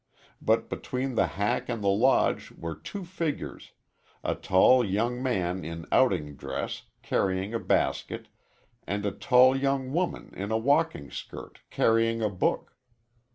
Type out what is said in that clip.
But between the hack and the Lodge were two figures a tall young man in outing dress, carrying a basket, and a tall young woman in a walking skirt, carrying a book.